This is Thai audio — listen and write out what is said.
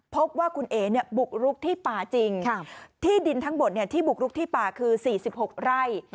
พบว่าคุณเอ๋บุกรุกที่ป่าจริงที่ดินทั้งหมดที่บุกรุกที่ป่าคือ๔๖ไร่